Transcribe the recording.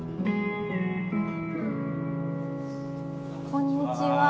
こんにちは。